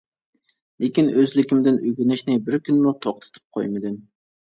لېكىن، ئۆزلۈكۈمدىن ئۆگىنىشنى بىر كۈنمۇ توختىتىپ قويمىدىم.